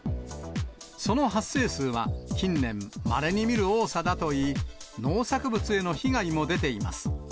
その発生数は、近年、まれに見る多さだといい、農作物への被害も出ています。